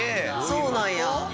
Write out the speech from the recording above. そうなんや！